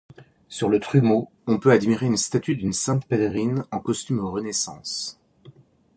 Sur le trumeau on peut admirer une statue d'une sainte Pèlerine en costume Renaissance.